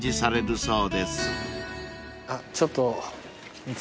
あっちょっと。